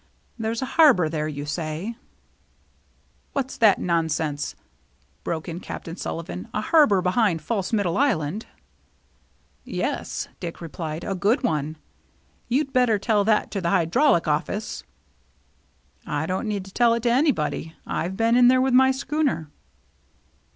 " There's a harbor there, you say ?" "What's that nonsense," broke in Cap tain Sullivan, " a harbor behind False Middle Island ?" 234 THE MERRT ANNE " Yes," Dick replied, " a good one." "You'd better tell that to the Hydrographic Office." " I don't need to tell it to anybody. I've been in there with my schooner."